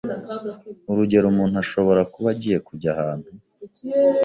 Urugero umuntu ashobora kuba agiye kujya ahantu